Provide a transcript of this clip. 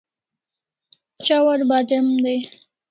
Chawar badem day